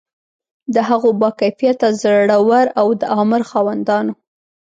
د هغو با کفایته، زړه ور او د امر خاوندانو.